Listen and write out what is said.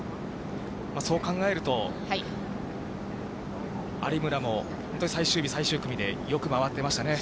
そう考えると、有村も、本当に最終日、最終組でよく回っていましたね。